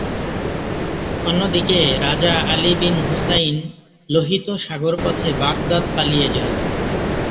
অন্যদিকে রাজা Ali bin Hussein লোহিত সাগর পথে বাগদাদ পালিয়ে যান।